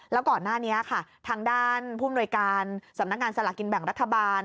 แล้วก่อนหน้านี้ค่ะทางด้านผู้มนวยการสำนักงานสลากกินแบ่งรัฐบาล